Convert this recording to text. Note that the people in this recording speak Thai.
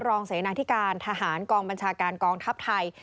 เสนาธิการทหารกองบัญชาการกองทัพไทย